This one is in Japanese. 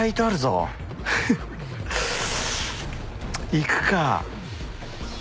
行くか。